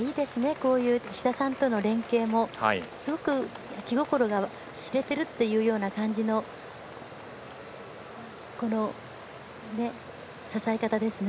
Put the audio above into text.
こういう志田さんとの連係もすごく気心が知れているっていう感じのこの支え方ですね。